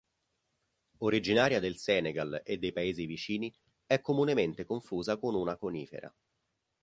Originaria del Senegal e dei paesi vicini, è comunemente confusa con una conifera.